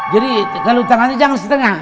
jadi kalau tangannya jangan setengah